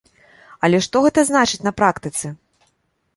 Але што гэта значыць на практыцы?